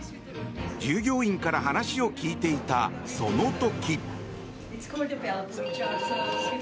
従業員から話を聞いていたその時。